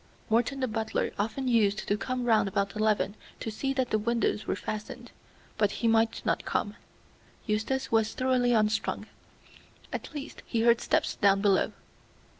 Morton the butler often used to come round about eleven to see that the windows were fastened, but he might not come. Eustace was thoroughly unstrung. At last he heard steps down below.